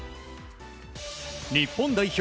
日本代表